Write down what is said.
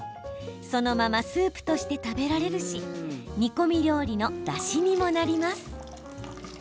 そのままスープとして食べられるし煮込み料理のだしにもなります。